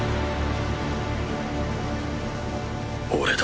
俺だ！